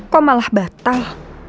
kok malah batal